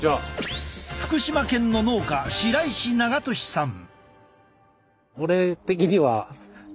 福島県の農家白石長利さん。